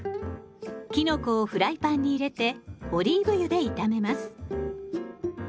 きのこをフライパンに入れてオリーブ油で炒めます。